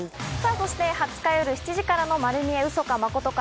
そして２０日夜７時からの『まる見え！ウソかマコトか？